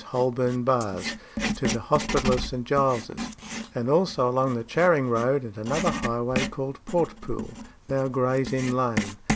_ Holborn Bars, to the Hospital of St. Giles's, and also along the Charing Road and another highway called Portpool, now Gray's Inn Lane.